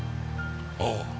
ああ。